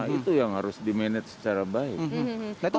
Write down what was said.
itu yang harus di manage secara baik